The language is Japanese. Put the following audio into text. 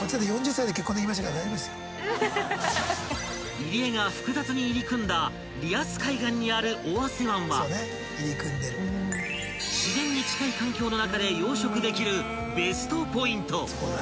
［入り江が複雑に入り組んだリアス海岸にある尾鷲湾は自然に近い環境の中で養殖できるベストポイント］